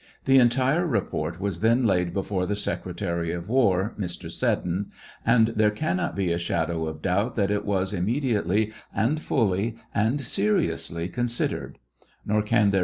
The entire report was ■ then laid before the secretary of war, Mr. Seddon, and there cannot be a shadow of doubt that it was immedi ately, and fully, and seriously considered ; nor can there